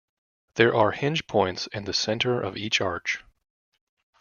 There are hinge points in the center of each arch.